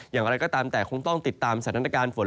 อย่างไรก็ตามแต่คงต้องติดตามสถานการณ์ฝน